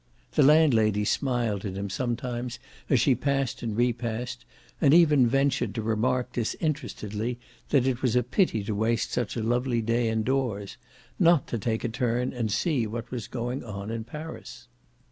The landlady smiled at him sometimes as she passed and re passed, and even ventured to remark disinterestedly that it was a pity to waste such a lovely day indoors not to take a turn and see what was going on in Paris.